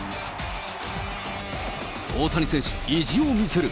大谷選手、意地を見せる。